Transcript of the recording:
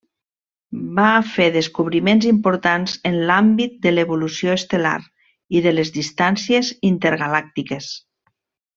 Va fer descobriments importants en l'àmbit de l'evolució estel·lar i de les distàncies intergalàctiques.